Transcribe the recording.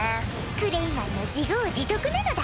クレイマンの自業自得なのだ！